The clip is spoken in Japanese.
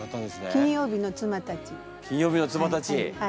「金曜日の妻たちへ」。